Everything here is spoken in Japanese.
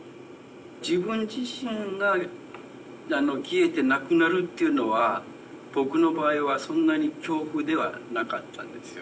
自分自身があの消えてなくなるっていうのは僕の場合はそんなに恐怖ではなかったんですよ。